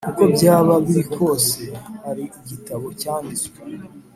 uko byaba biri kose, hari igitabo yanditswe